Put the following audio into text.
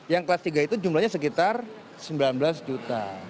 yang kelas tiga itu jumlahnya sekitar sembilan belas juta